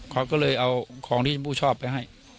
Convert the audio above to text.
เขาก็เลยเอาของที่ชมพู่ชอบไปให้